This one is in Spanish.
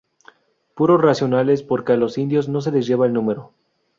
Puros racionales, porque a los indios no se les lleva el número""